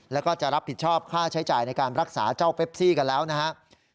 แล้วก็จะรับผิดชอบค่าใช้จ่ายในการรักษาเจ้าเปปซี่กันแล้วนะครับ